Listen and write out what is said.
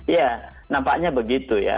ya nampaknya begitu ya